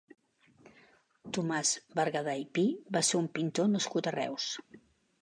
Tomàs Bergadà i Pi va ser un pintor nascut a Reus.